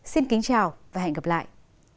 xin kính chào và hẹn gặp lại